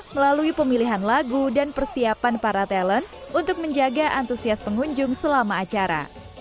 melalui pemilihan lagu dan persiapan para talent untuk menjaga antusias pengunjung selama acara